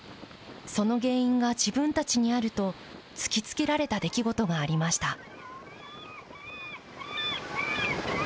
その原因が自分たちにあると、突きつけられた出来事がありました。